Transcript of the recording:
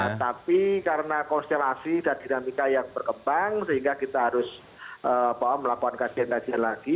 nah tapi karena konstelasi dan dinamika yang berkembang sehingga kita harus melakukan kajian kajian lagi